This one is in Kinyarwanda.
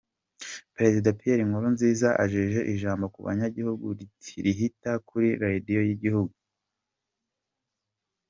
Prezida Pierre Nkurunziza ajeje ijambo ku banyagihugu rihita kuri radio y'igihugu.